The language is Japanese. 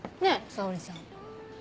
沙織ちゃん。